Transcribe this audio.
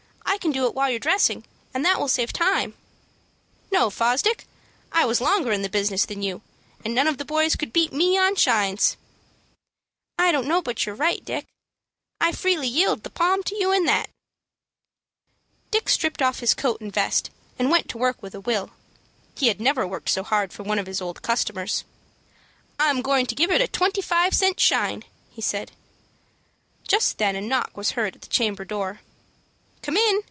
I can do it while you're dressing, and that will save time." "No, Fosdick, I was longer in the business than you, and none of the boys could beat me on shines." "I don't know but you're right, Dick. I freely yield the palm to you in that." Dick stripped off his coat and vest and went to work with a will. He had never worked so hard for one of his old customers. "I'm goin' to give it a twenty five cent shine," he said. Just then a knock was heard at the chamber door. "Come in!"